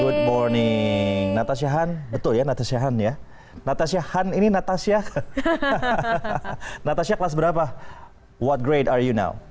good morning natasha hon betul ya natasha hon ya natasha hon ini natasha natasha kelas berapa what grade are you now